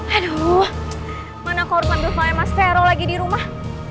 aduh mana korban gempanya mas tero lagi di rumah